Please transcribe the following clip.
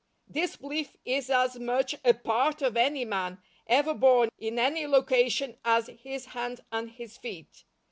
This belief is as much a PART of any man, ever born in any location, as his hands and his feet.